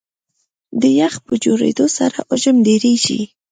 د یخ په جوړېدو سره حجم ډېرېږي.